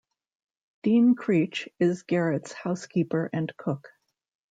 Dean Creech is Garrett's housekeeper and cook.